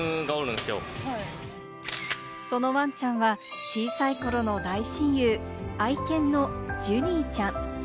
そのワンちゃんは小さい頃の大親友、愛犬のジュニーちゃん。